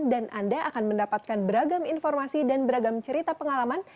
dan anda akan mendapatkan beragam informasi dan beragam cerita pengalaman